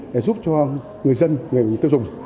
để giúp cho người dân người tiêu dùng